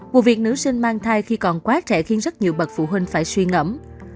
vụ việc nữ sinh mang thai khi còn quá trẻ khiến rất nhiều bậc phụ huynh phải suy ngẫm